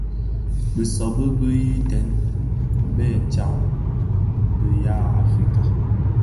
Bisobi bi yeten bi tsak ki be ya Afrika,